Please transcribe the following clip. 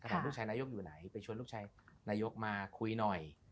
ถามลูกชายนายกอยู่ไหนไปชวนลูกชายนายกมาคุยหน่อย